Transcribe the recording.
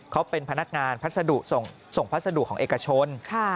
เขาเป็นพนักงานพัสดุส่งพัสดุของเอกชน